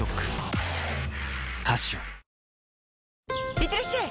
いってらっしゃい！